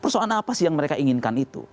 persoalan apa sih yang mereka inginkan itu